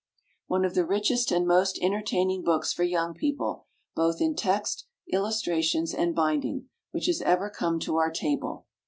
_ One of the richest and most entertaining books for young people, both in text, illustrations, and binding, which has ever come to our table.